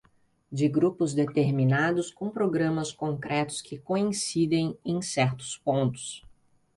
de grupos determinados com programas concretos que coincidem em certos pontos